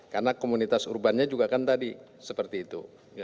karena komunitas urbannya juga kan tadi seperti itu